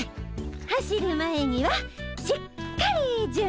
走る前にはしっかり準備ね。